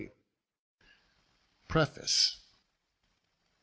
PREFACE.